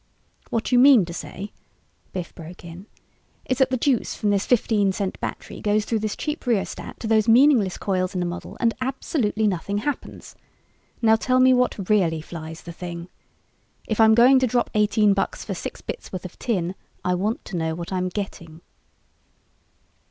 "What you mean to say," Biff broke in, "is that the juice from this fifteen cent battery goes through this cheap rheostat to those meaningless coils in the model and absolutely nothing happens. Now tell me what really flies the thing. If I'm going to drop eighteen bucks for six bits worth of tin, I want to know what I'm getting."